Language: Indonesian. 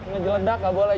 ngejeledak nggak boleh